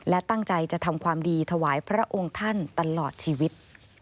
และตั้งใจจะทำความดีถวายพระองค์ท่านตลอดชีวิต